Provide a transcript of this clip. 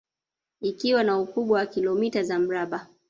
Ikiwa na ukubwa wa kilomita za mraba